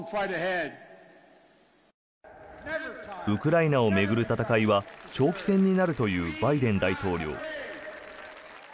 ウクライナを巡る戦いは長期戦になるというバイデン大統領。